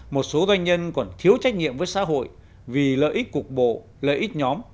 một số doanh nhân còn thiếu trách nhiệm với xã hội vì lợi ích cục bộ lợi ích nhóm